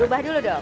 berubah dulu dong